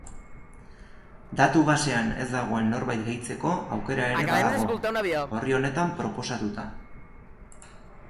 Datu basean ez dagoen norbait gehitzeko aukera ere badago, orri honetan proposatuta.